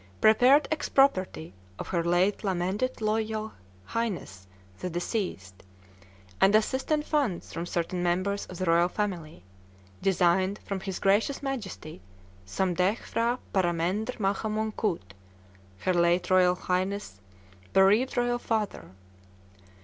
prepared ex property of Her late lamented Royal Highness the deceased, and assistant funds from certain members of the Royal Family, designed from his Gracious Majesty Somdetch P'hra Paramendr Maha Mongkut, Her late Royal Highness' bereaved Royal father.